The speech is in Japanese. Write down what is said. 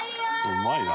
「うまいな」